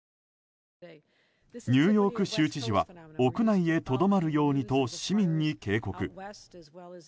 ニューヨーク州知事は屋内にとどまるようにと市民に警告。